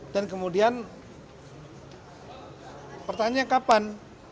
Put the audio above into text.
dan kemudian pertanyaan kapan